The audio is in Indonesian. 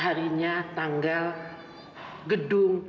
harinya tanggal gedung